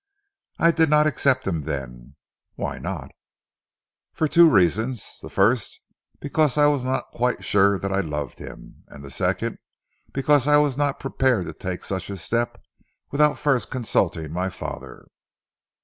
"I did not accept him then." "Why not?" "For two reasons; the first because I was not quite sure that I loved him, and the second because I was not prepared to take such a step without first consulting my father."